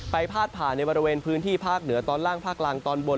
พาดผ่านในบริเวณพื้นที่ภาคเหนือตอนล่างภาคล่างตอนบน